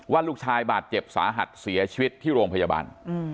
ลูกชายบาดเจ็บสาหัสเสียชีวิตที่โรงพยาบาล